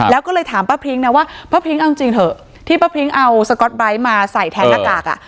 แล้วก็เลยถามป้าพริ้งนะว่าป้าพริ้งเอาจริงเถอะที่ป้าพริ้งเอาสก๊อตไบท์มาใส่แทนหน้ากากอ่ะ